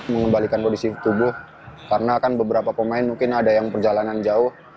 mengembalikan kondisi tubuh karena kan beberapa pemain mungkin ada yang perjalanan jauh